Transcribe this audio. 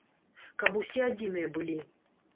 Каб усе адзіныя былі.